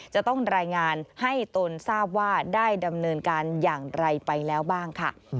จะต้องรายงานให้ตนทราบว่าได้ดำเนินการอย่างไรไปแล้วบ้างค่ะ